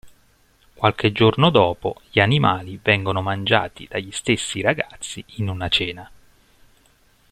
Qualche giorno dopo gli animali vengono mangiati dagli stessi ragazzi in una cena.